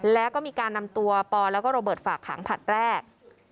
แล้วก็มีการนำตัวปอแล้วก็โรเบิร์ตฝากขังผลัดแรก